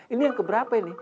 ini yang keberapa ini